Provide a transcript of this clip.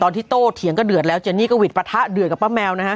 ที่โต้เถียงก็เดือดแล้วเจนี่ก็หิดปะทะเดือดกับป้าแมวนะฮะ